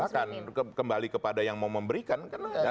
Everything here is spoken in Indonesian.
oh silakan kembali kepada yang mau memberikan karena ya